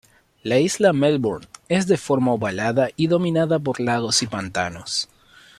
La isla Melbourne es de forma ovalada, y dominada por lagos y pantanos.